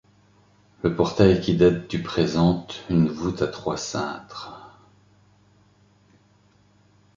Le portail qui date du présente une voûte à trois cintres.